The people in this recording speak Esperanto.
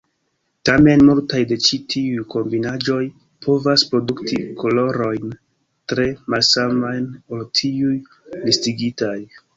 Tamen, multaj de ĉi tiuj kombinaĵoj povas produkti kolorojn tre malsamajn ol tiuj listigitaj.